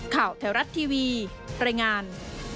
ข่าวแถวรัฐทีวีรายงาน